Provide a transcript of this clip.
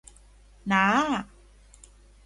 น้า